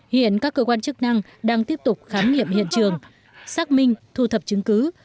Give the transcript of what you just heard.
hiện các cơ quan chức năng đang tiếp tục khám nghiệm hiện trường xác minh thu thập chứng cứ